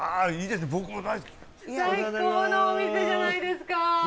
最高のお店じゃないですか！